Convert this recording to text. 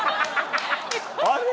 あれ？